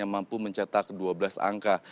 yang mampu mencetak dua belas angka